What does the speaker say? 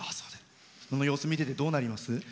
その様子を見ててどうなります？